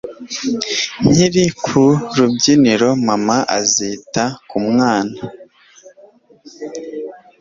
nkiri ku rubyiniro, mama azita ku mwana